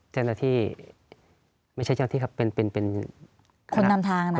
เจ้าหน้าที่ไม่ใช่เจ้าหน้าที่ครับเป็นเป็นเป็นคนนำทางนะ